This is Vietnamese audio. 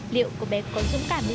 đi xong đi